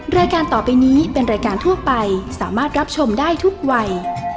รายการต่อไปนี้เป็นรายการทั่วไปสามารถรับชมได้ทุกวัย